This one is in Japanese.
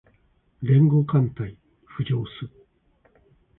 連合艦隊浮上す